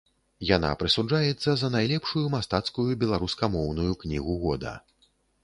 Яна прысуджаецца за найлепшую мастацкую беларускамоўную кнігу года.